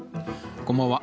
こんばんは。